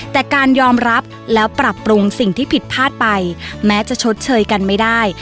แต่การยอมรับแล้วปรับปรุงสิ่งที่ผิดพลาดไปแม้จะชดเชยกันไม่ได้